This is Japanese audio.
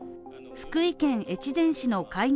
福井県越前市の介護